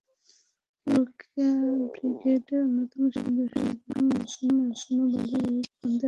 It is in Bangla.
রোকেয়া ব্রিগেডের অন্যতম সদস্য রফিকুল ইসলাম এখনো বাল্যবিবাহ বন্ধে অক্লান্ত পরিশ্রম করে চলেছেন।